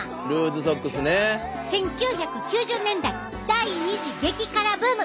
１９９０年代第２次激辛ブーム！